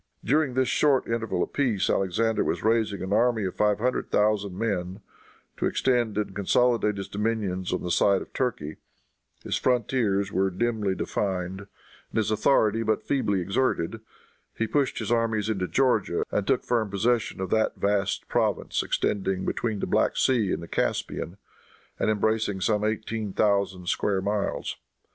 During this short interval of peace Alexander was raising an army of five hundred thousand men, to extend and consolidate his dominions on the side of Turkey. His frontiers there were dimly defined, and his authority but feebly exerted. He pushed his armies into Georgia and took firm possession of that vast province extending between the Black Sea and the Caspian, and embracing some eighteen thousand square miles.